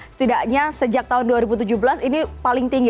setidaknya sejak tahun dua ribu tujuh belas ini paling tinggi